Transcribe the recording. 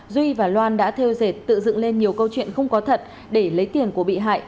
duy và loan đã theo dệt tự dựng lên nhiều câu chuyện không có thật để lấy tiền của bị hại